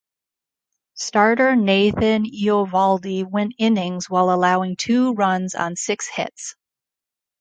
Starter Nathan Eovaldi went innings while allowing two runs on six hits.